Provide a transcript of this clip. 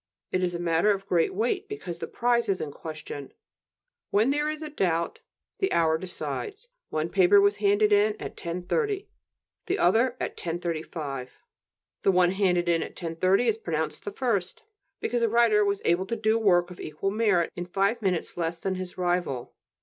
It is a matter of great weight, because the prize is in question. When there is a doubt, the hour decides. One paper was handed in at 10.30, the other at 10.35. The one handed in at 10.30 is pronounced the first, because the writer was able to do work of equal merit in five minutes less than his rival.